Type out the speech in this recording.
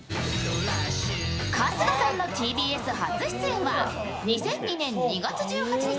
春日さんのＴＢＳ初出演は２００２年２月１８日